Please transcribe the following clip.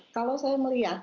kalau saya melihat